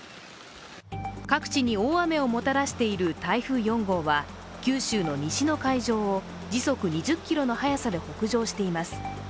各地に大雨をもたらしている台風４号は九州の西の海上を時速２０キロの速さで北上しています。